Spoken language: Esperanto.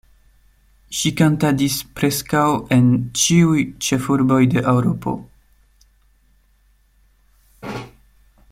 Ŝi kantadis preskaŭ en ĉiuj ĉefurboj de Eŭropo.